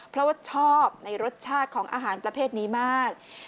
เพราะว่าชอบในรสชาติของอาหารประเภทนี้มาก